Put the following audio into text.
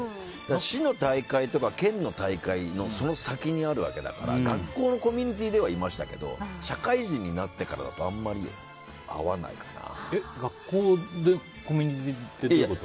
市の大会とか県の大会のその先にあるわけだから学校コミュニティーではいましたけど社会人になってからだと学校でコミュニティーってどういうこと？